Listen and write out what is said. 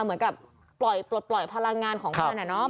เหมือนกับปล่อยพลังงานของมันเนี่ยเนอะ